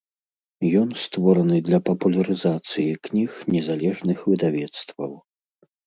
Ён створаны для папулярызацыі кніг незалежных выдавецтваў.